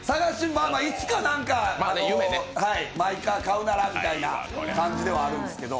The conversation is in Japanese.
いつか何か、マイカー買うならみたいな感じではあるんですけど。